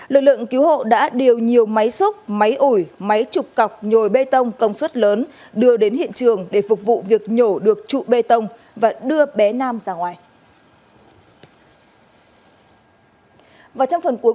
lực lượng cứu hộ đã điều nhiều máy xúc máy ủi máy trục cọc nhồi bê tông công suất lớn đưa đến hiện trường để phục vụ việc nhổ được trụ bê tông và đưa bé nam ra ngoài